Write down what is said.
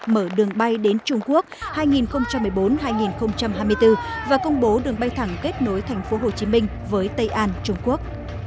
mở đường bay đến trung quốc hai nghìn một mươi bốn hai nghìn hai mươi bốn và công bố đường bay thẳng kết nối thành phố hồ chí minh với tây an trung quốc